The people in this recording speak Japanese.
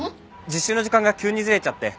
実習の時間が急にずれちゃって。